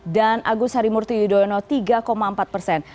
dan agus harimurti yudhoyono tiga empat persen